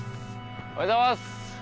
おはようございます。